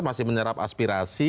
masih menyerap aspirasi